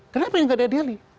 kenapa ini nggak ada daily